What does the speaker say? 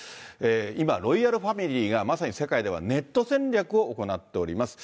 今、ロイヤルファミリーがまさに世界ではネット戦略を行っております。